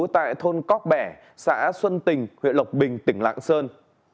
tại thôn cóc bẻ xã xuân tình huyện lộc bình tỉnh lạng sơn